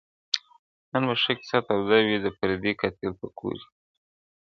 نن به ښه کیسه توده وي د پردي قاتل په کور کي -